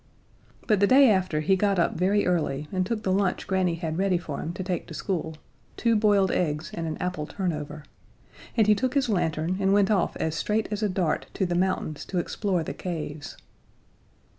But the day after he got up very early and took the lunch Granny had ready for him to take to school two boiled eggs and an apple turnover and he took his lantern and went off as straight as a dart to the mountains to explore the caves.